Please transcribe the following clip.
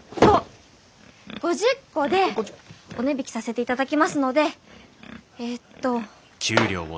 ５０個でお値引きさせていただきますのでえっと。